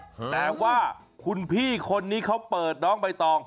แต่ว่าคุณพี่คนนี้เขาเปิดน้องใบตอง